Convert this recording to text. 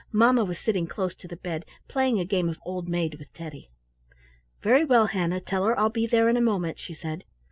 Mamma was sitting close to the bed playing a game of Old Maid with Teddy. "Very well, Hannah; tell her I'll be there in a moment," she said.